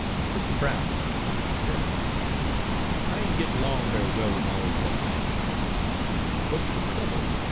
"Mr. Brown," he said, "I ain' gitt'n' 'long very well wid my ole 'oman." "What 's the trouble?"